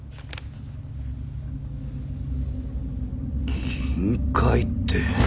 金塊って。